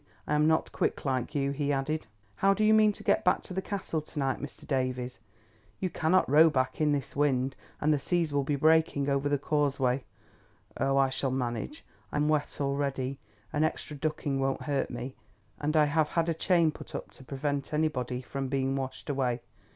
I am not quick like you," he added. "How do you mean to get back to the Castle to night, Mr. Davies? You cannot row back in this wind, and the seas will be breaking over the causeway." "Oh, I shall manage. I am wet already. An extra ducking won't hurt me, and I have had a chain put up to prevent anybody from being washed away.